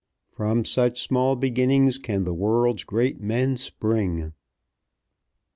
From such small beginnings can the world's great men spring.